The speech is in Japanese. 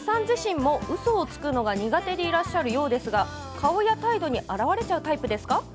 自身もうそをつくのが苦手でいらっしゃるようですが顔や態度に表れちゃうタイプですか？